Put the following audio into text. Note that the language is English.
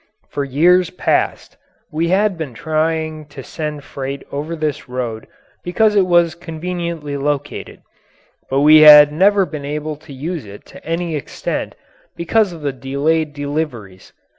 For years past we had been trying to send freight over this road because it was conveniently located, but we had never been able to use it to any extent because of the delayed deliveries.